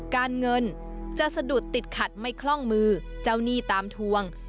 การเงินจะสะดุดติดขัดไม่คล่องมือเจ้าหนี้ตามทวง